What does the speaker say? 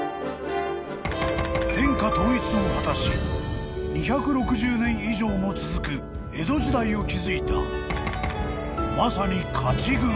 ［を果たし２６０年以上も続く江戸時代を築いたまさに勝ち組］